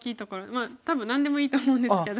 まあ多分何でもいいと思うんですけど。